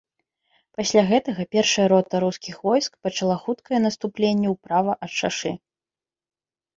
Пасля гэтага першая рота рускіх войск пачала хуткае наступленне ўправа ад шашы.